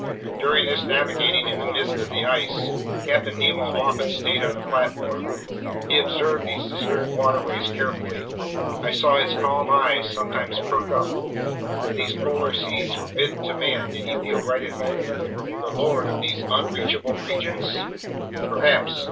During this navigating in the midst of the ice, Captain Nemo often stayed on the platform. He observed these deserted waterways carefully. I saw his calm eyes sometimes perk up. In these polar seas forbidden to man, did he feel right at home, the lord of these unreachable regions? Perhaps.